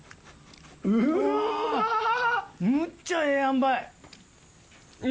むっちゃええあんばい！